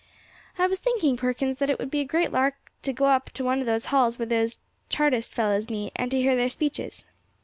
"I was thinking, Perkins, that it would be a great lark to go up to one of those halls where those Chartist fellows meet, and to hear their speeches."